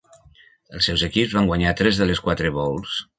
Els seus equips van guanyar tres de les quatre Bowls.